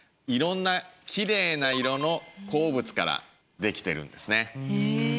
いろんなきれいな色の鉱物からできているんですね。